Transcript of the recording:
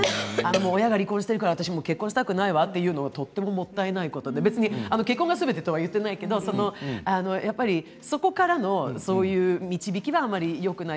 親が離婚しているから私はもう結婚したくないわというのはとてももったいないことで結婚がすべてとは言っていないけれどやっぱりそこからの導きはあまりよくない。